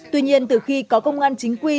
tuy nhiên từ khi có công an chính quy